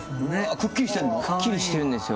くっきりしてるんですよ。